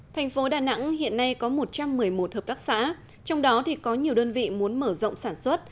thành phố đà nẵng hiện nay có một trăm một mươi một hợp tác xã trong đó thì có nhiều đơn vị muốn mở rộng sản xuất